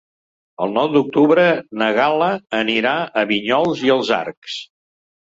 El nou d'octubre na Gal·la anirà a Vinyols i els Arcs.